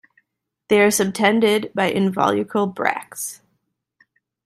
They are subtended by involucral bracts.